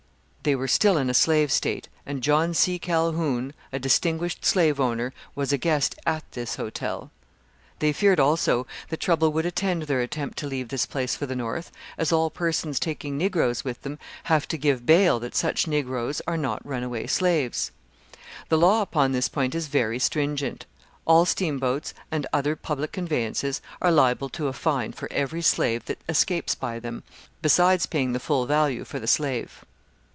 They were still in a slave state, and John C. Calhoun, a distinguished slave owner, was a guest at this hotel. They feared, also, that trouble would attend their attempt to leave this place for the North, as all persons taking Negroes with them have to give bail that such Negroes are not runaway slaves. The law upon this point is very stringent: all steamboats and other public conveyances are liable to a fine for every slave that escapes by them, besides paying the full value for the slave.